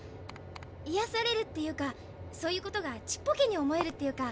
いやされるっていうかそういうことがちっぽけに思えるというか。